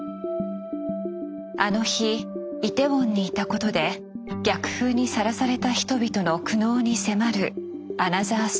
あの日イテウォンにいたことで逆風にさらされた人々の苦悩に迫るアナザーストーリー。